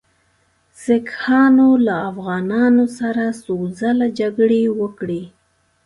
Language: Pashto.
سیکهانو له افغانانو سره څو ځله جګړې وکړې.